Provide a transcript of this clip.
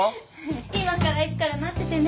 今から行くから待っててね。